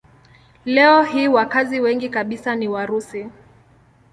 Leo hii wakazi wengi kabisa ni Warusi.